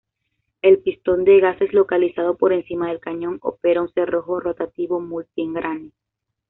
El pistón de gases localizado por encima del cañón opera un cerrojo rotativo multi-engrane.